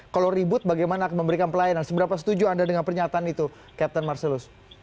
kalau ribut bagaimana memberikan pelayanan seberapa setuju anda dengan pernyataan itu captain marcelus